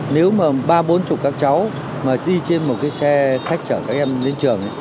nếu mà ba bốn mươi các cháu mà đi trên một cái xe khách chở các em lên trường